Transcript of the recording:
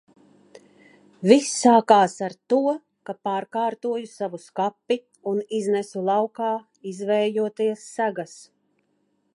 Viss sākās ar to, ka pārkārtoju savu skapi un iznesu laukā izvējoties segas.